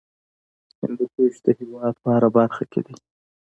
هندوکش د هېواد په هره برخه کې دی.